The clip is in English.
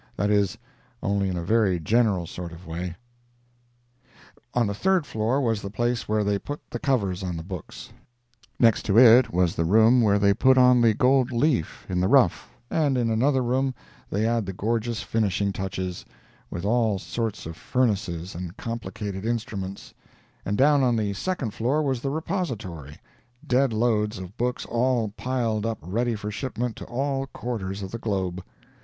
That is, only in a very general sort of way. On the third floor was the place where they put the covers on the books; next to it was the room where they put on the gold leaf in the rough, and in another room they add the gorgeous finishing touches, with all sorts of furnaces and complicated instruments; and down on the Second floor was the Repository—dead loads of books all piled up ready for shipment to all quarters of the globe.